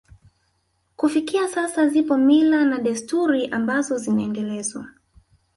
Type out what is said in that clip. Kufikia sasa zipo mila na desturi ambazo zinaendelezwa